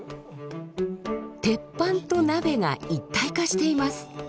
鉄板と鍋が一体化しています。